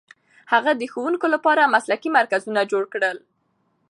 هغه د ښوونکو لپاره مسلکي مرکزونه جوړ کړل.